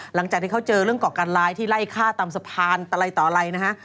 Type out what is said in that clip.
หลังจากที่เขาเจอเรื่องก่อการร้ายที่ไล่ฆ่าตามสะพานอะไรต่ออะไรนะฮะ